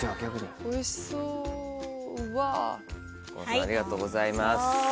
ありがとうございます。